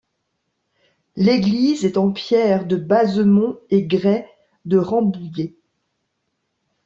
L'église est en pierre de Bazemont et grès de Rambouillet.